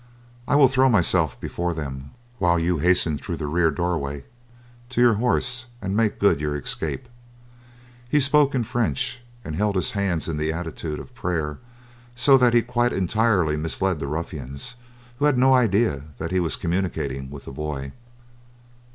I will throw myself before them while you hasten through the rear doorway to your horse, and make good your escape." He spoke in French, and held his hands in the attitude of prayer, so that he quite entirely misled the ruffians, who had no idea that he was communicating with the boy.